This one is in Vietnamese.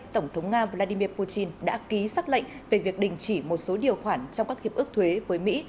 tổng thống nga vladimir putin đã ký xác lệnh về việc đình chỉ một số điều khoản trong các hiệp ước thuế với mỹ